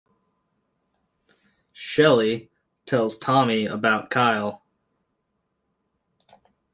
Shelly tells Tommy about Kyle.